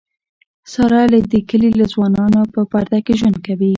ساره له د کلي له ځوانانونه په پرده کې ژوند کوي.